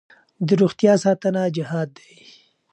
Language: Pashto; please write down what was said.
د روغتیا ساتنه جهاد دی.